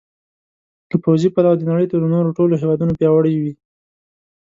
له پوځي پلوه د نړۍ تر نورو ټولو هېوادونو پیاوړي وي.